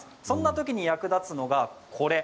そんなときに役立つのが、これ。